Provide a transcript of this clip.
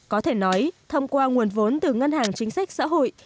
có thể nói thông qua nguồn vốn từ ngân hàng chính sách xã hội